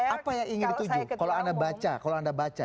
apa yang ingin dituju kalau anda baca